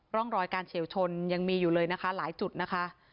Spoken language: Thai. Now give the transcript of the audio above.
ร่องรอยการเฉียวชนยังมีอยู่เลยนะคะหลายจุดนะคะ